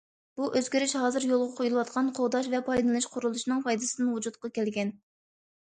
بۇ ئۆزگىرىش ھازىر يولغا قويۇلۇۋاتقان قوغداش ۋە پايدىلىنىش قۇرۇلۇشىنىڭ پايدىسىدىن ۋۇجۇدقا كەلگەن.